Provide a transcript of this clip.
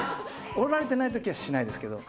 折られてないときはしないですけど。